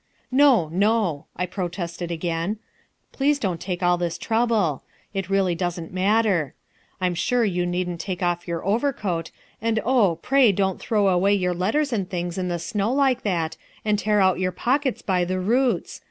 "No, no," I protested again, "please don't take all this trouble, it really doesn't matter. I'm sure you needn't take off your overcoat, and oh, pray don't throw away your letters and things in the snow like that, and tear out your pockets by the roots!